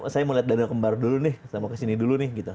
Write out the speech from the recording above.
saya mau lihat danau kembar dulu nih saya mau ke sini dulu nih gitu